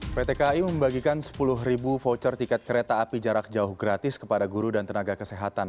pt kai membagikan sepuluh voucher tiket kereta api jarak jauh gratis kepada guru dan tenaga kesehatan